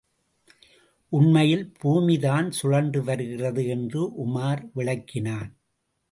உண்மையில் பூமிதான் சுழன்று வருகிறது என்று உமார் விளக்கினான்.